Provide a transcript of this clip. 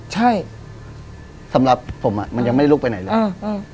ใช่สำหรับผมอ่ะมันยังไม่ลุกไปไหนเลย